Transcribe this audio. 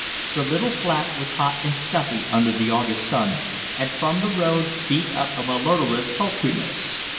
The little flat was hot and stuffy under the August sun, and from the road beat up a malodorous sultriness.